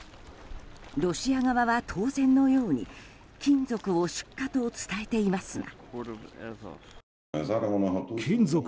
ロシア側は当然のように金属を出荷と伝えていますが。